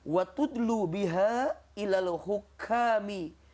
watudlu biha ilaluhukami